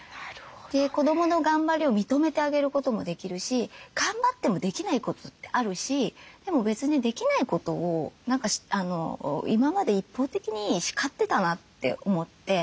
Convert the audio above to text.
子どもの頑張りを認めてあげることもできるし頑張ってもできないことってあるしでも別にできないことを今まで一方的に叱ってたなって思って。